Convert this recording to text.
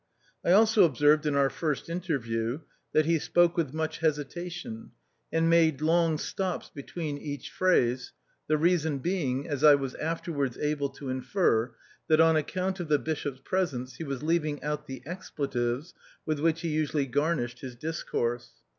I also observed in our first interview that 72 THE OUTCAST. he spoke with much hesitation, and made long stops between every phrase, the reason being, as I was afterwards able to infer, that on account of the bishop's presence he was leaving out the expletives with which he usually garnished his discourse.